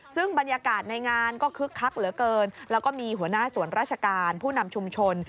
ซึ่งบรรยากาศในงานก็คึกคักเหลือเกินแล้วก็มีหัวหน้าส่วนราชการผู้นำชุมชน